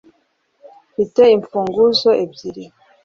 mfite imfunguzo ebyiri.